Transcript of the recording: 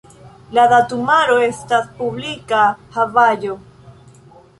La datumaro estas publika havaĵo.